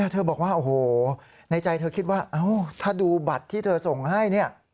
เธอบอกว่าโอ้โหในใจเธอคิดว่าถ้าดูบัตรที่เธอส่งให้เนี่ย